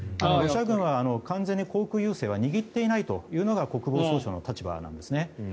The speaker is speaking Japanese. ロシア軍は完全に航空優勢を握っていないというのが国防総省の立場なんですね。